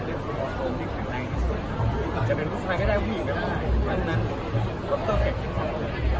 ซึ่งเราก็บอกเราเอาทุกอย่างให้เป็นธรรมชาติ